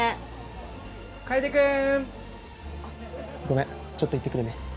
ごめんちょっと行ってくるね。